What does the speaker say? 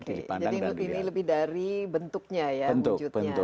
jadi ini lebih dari bentuknya ya wujudnya